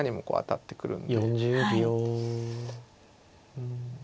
うん。